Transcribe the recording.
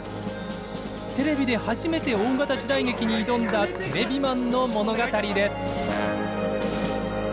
テレビで初めて大型時代劇に挑んだテレビマンの物語です。